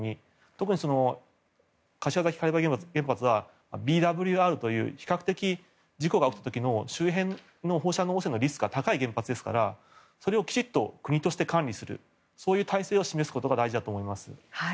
特に柏崎刈羽原発はＢＷＲという比較的、事故が起きた時の周辺の放射能汚染のリスクが高い原発ですからそれをきちんと国として管理するそういう体制を示すことが大事だと思います。